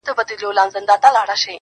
د جهنم منځ کي د اوسپني زنځیر ویده دی.